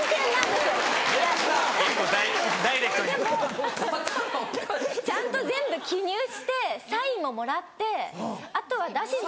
でもちゃんと全部記入してサインももらってあとは出しに。